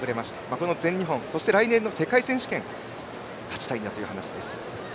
この全日本、そして来年の世界選手権勝ちたいんだという話です。